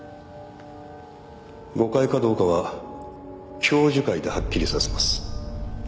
誤解かどうかは教授会ではっきりさせます。